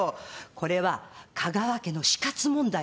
これは香川家の死活問題なの。